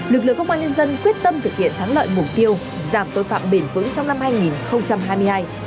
lực lượng công an nhân dân quyết tâm thực hiện thắng lợi mục tiêu giảm tội phạm bền vững trong năm hai nghìn hai mươi hai